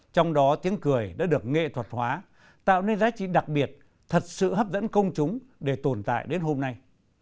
trong đó tiếng cười đã được nghệ thuật hóa tạo nên giá trị đặc biệt thật sự hấp dẫn công chúng để tồn tại đến hôm nay